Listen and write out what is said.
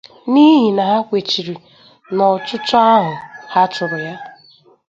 n'ihi na ha kwechiiri n'ọchụchụ ahụ ha chụrụ ya